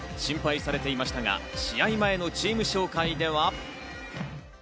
心配されていましたが、試合前のチーム紹介では。